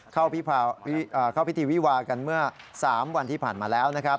เข้าพิธีวิวากันเมื่อ๓วันที่ผ่านมาแล้วนะครับ